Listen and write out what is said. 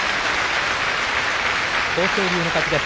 豊昇龍の勝ちです。